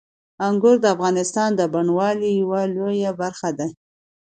انګور د افغانستان د بڼوالۍ یوه لویه برخه ده.